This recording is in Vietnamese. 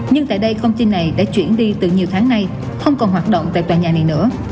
nhưng tại đây công ty này đã chuyển đi từ nhiều tháng nay không còn hoạt động tại tòa nhà này nữa